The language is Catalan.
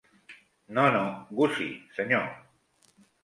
No, no, Gussie, senyor.